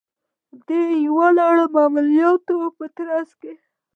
د یو لړ عملیاتو په ترڅ کې